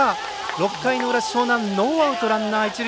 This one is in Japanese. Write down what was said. ６回の裏、樟南ノーアウト、ランナー、一塁。